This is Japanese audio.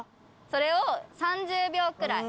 それを３０秒くらい。